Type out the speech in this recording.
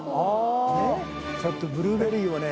ちょっとブルーベリーをね。